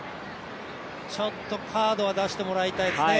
ちょっとカードは出してもらいたいですね。